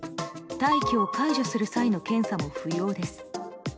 待機を解除する際の検査も不要です。